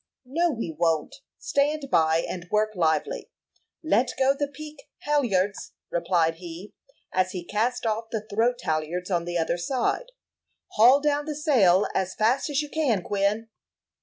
"No, we won't; stand by, and work lively. Let go the peak halyards," replied he, as he cast off the throat halyards, on the other side. "Haul down the sail as fast as you can, Quin."